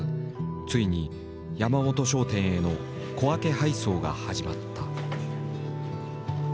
ついに山本商店への小分け配送が始まった。